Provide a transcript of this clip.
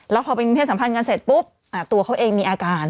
แล้วพอเป็นเพศสัมพันธ์กันเสร็จปุ๊บตัวเขาเองมีอาการ